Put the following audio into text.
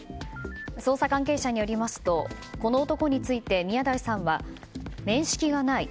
捜査関係者によりますとこの男について宮台さんは面識がない。